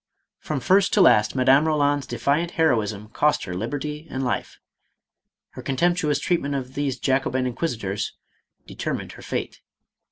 From first to last Madame Eoland's defiant heroism cost her liberty and life. Her contemptuous treatment of these Jacobin inquisitors determined her fate.